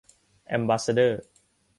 แอมบาสซาเดอร์